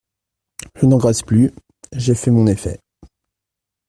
Je n’engraisse plus… j’ai fait mon effet.